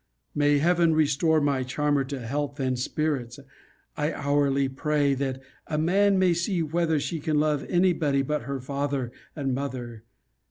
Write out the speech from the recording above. May Heaven restore my charmer to health and spirits, I hourly pray that a man may see whether she can love any body but her father and mother!